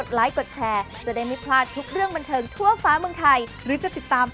สีออกเหลืองหน่อยไหม